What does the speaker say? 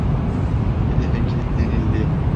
Hedefe kilitlenildi.